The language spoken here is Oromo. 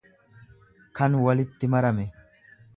kan walitti marame.